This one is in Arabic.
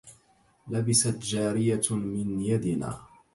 لبست جارية من يدنا